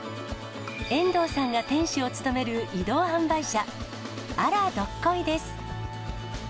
遠藤さんが店主を務める移動販売車、あらどっこいです。